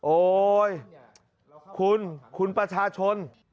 โอ๊ยคุณคุณประชาชน